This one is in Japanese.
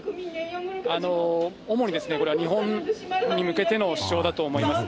主にですね、これは日本に向けての主張だと思います。